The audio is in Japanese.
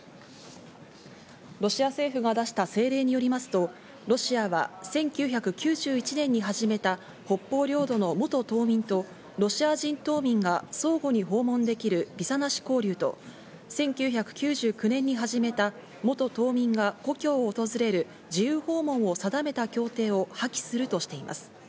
ロシア政府が出した政令によりますとロシアは１９９１年に始めた北方領土の元島民とロシア人島民が相互に訪問できるビザなし交流と、１９９９年に始めた元島民が故郷を訪れる自由訪問を定めた協定を破棄するとしています。